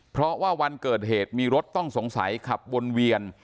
เพราะว่าวันเกิดเหตุมีรถต้องสงสัยขับวนเวียน